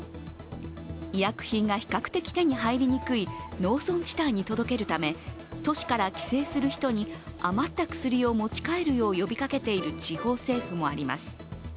医薬品が比較的手に入りにくい農村地帯に届けるため、都市から帰省する人に余った薬を持ち帰るよう呼びかけている地方政府もあります。